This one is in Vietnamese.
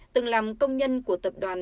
từng làm công nhân của tập đoàn